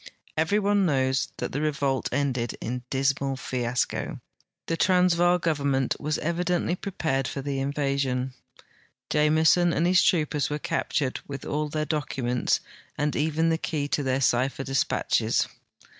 Every one knows that the revolt ended in a dismal liasco. The 24 366 THE WITWATERSRAND AND Transvaal government was evidently prepared for the invasion. Jameson and his troopers were captured with all their docu ments and even the key to their cipher dispatches.